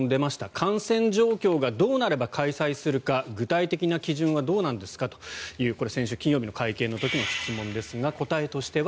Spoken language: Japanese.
感染状況がどうなれば開催するか、具体的な基準はどうなんですかというこれ、先週金曜日の時の質問ですが答えとしては